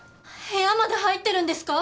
部屋まで入ってるんですか？